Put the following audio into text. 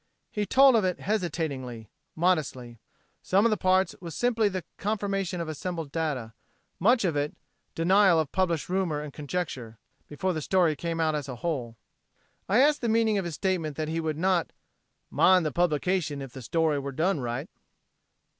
He told of it hesitatingly, modestly. Some of the parts was simply the confirmation of assembled data; much of it, denial of published rumor and conjecture before the story came out as a whole. I asked the meaning of his statement that he would not "mind the publication if the story were done right."